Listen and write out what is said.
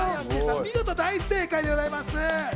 見事、大正解でございます。